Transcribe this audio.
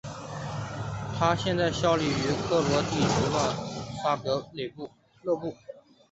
他现在效力于克罗地亚球队萨格勒布。